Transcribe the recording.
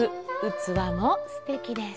器もすてきです。